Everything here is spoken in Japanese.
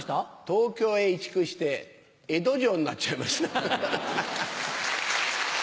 東京へ移築して江戸城になっちゃいました。